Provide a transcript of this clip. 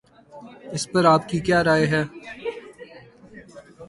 اس پر آپ کی کیا رائے ہے؟